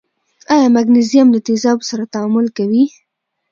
آیا مګنیزیم له تیزابو سره تعامل کوي؟